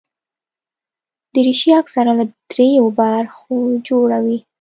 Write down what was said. دریشي اکثره له درېو برخو جوړه وي.